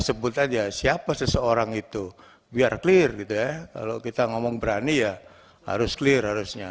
sebut aja siapa seseorang itu biar clear gitu ya kalau kita ngomong berani ya harus clear harusnya